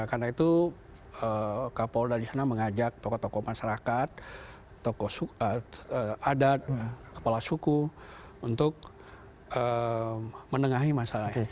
karena itu kapol dari sana mengajak tokoh tokoh masyarakat tokoh adat kepala suku untuk menengahi masalah ini